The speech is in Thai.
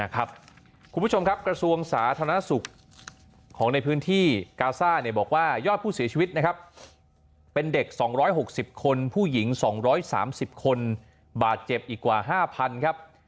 คุณผู้ชมครับกระทรวงสาธารณสุขของในพื้นที่กาซ่าบอกว่ายอดผู้เสียชีวิตนะครับเป็นเด็ก๒๖๐คนผู้หญิง๒๓๐คนบาดเจ็บอีกกว่า๕๐๐๐ครับ